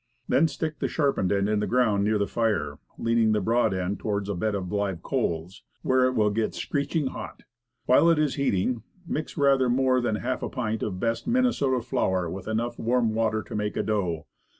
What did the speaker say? Then stick the sharpened end in the ground near the fire, leaning the broad end toward a bed of live coals, where it will get screeching hot. While it is heating, mix rather more than a half pint of best Minnesota flour with enough warm water to make a dough.